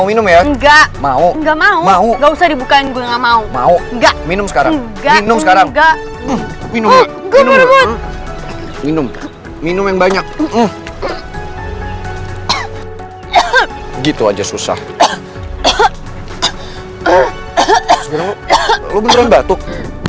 oh sebenernya lo beneran batuk